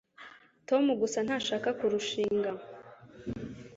tom gusa ntashaka kurushinga